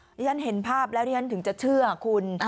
ที่ฉันเห็นภาพแล้วที่ฉันถึงจะเชื่อคุณ